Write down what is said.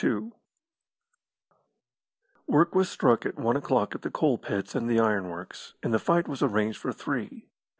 II Work was struck at one o'clock at the coal pits and the iron works, and the fight was arranged for three.